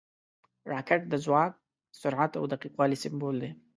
راکټ د ځواک، سرعت او دقیق والي سمبول دی